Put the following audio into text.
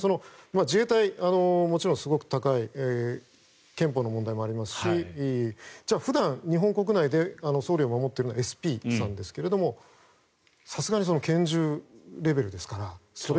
自衛隊、もちろんすごく高い憲法の問題もありますしじゃあ普段、日本国内で総理を守っているようなＳＰさんですがさすがに拳銃レベルですから。